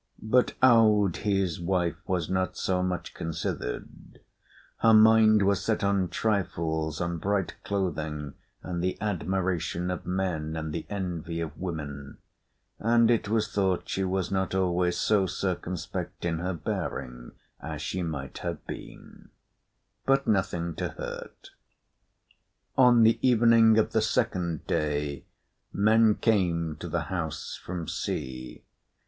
But Aud his wife was not so much considered: her mind was set on trifles, on bright clothing, and the admiration of men, and the envy of women; and it was thought she was not always so circumspect in her bearing as she might have been, but nothing to hurt. On the evening of the second day men came to the house from sea.